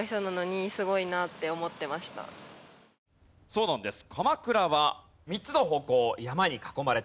そうなんです。